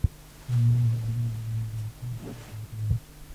• غونډۍ د غرونو د منځګړیتوب رول لري.